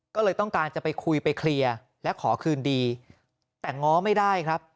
ก็เลยต้องการจะไปคุยไปเคลียร์และขอคืนดีแต่ง้อไม่ได้ครับ